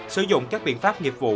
sử dụng các biện pháp nghiệp vụ